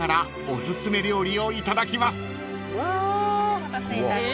お待たせいたしました